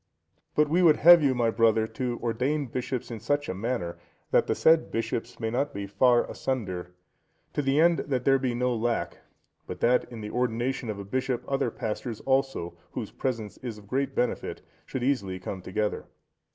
But we would have you, my brother, to ordain bishops in such a manner, that the said bishops may not be far asunder, to the end that there be no lack, but that at the ordination of a bishop other pastors also, whose presence is of great benefit, should easily come together.